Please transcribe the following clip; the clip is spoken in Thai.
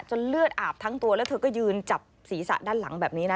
เลือดอาบทั้งตัวแล้วเธอก็ยืนจับศีรษะด้านหลังแบบนี้นะ